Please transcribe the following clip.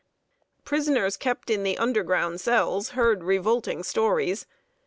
Prisoners kept in the underground cells heard revolting stories.